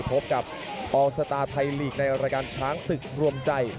พบกับออลสตาร์ไทยลีกในรายการช้างศึกรวมใจ